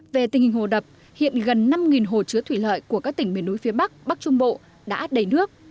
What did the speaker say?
về tình hình hồ đập hiện gần năm hồ chứa thủy lợi của các tỉnh miền núi phía bắc bắc trung bộ đã đầy nước